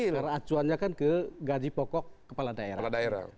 karena acuannya kan ke gaji pokok kepala daerah